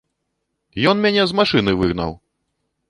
Ён мяне з машыны выгнаў!